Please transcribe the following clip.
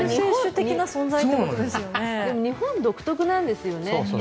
日本独特なんですよね。